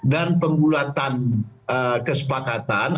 dan pembulatan kesepakatan